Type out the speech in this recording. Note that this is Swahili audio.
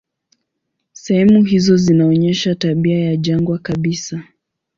Sehemu hizo zinaonyesha tabia ya jangwa kabisa.